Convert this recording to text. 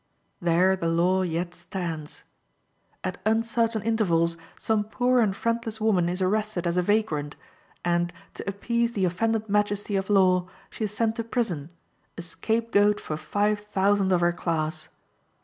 There the law yet stands. At uncertain intervals some poor and friendless woman is arrested as a vagrant, and, to appease the offended majesty of law, she is sent to prison, a scapegoat for five thousand of her class.